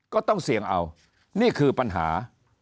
ก็ต้องเสี่ยงเอานี่คือปัญหา